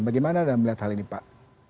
bagaimana anda melihat hal ini pak